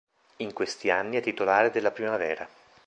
In questi anni è titolare della Primavera.